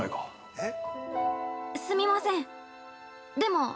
◆えっ。